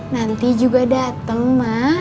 nanti juga dateng mak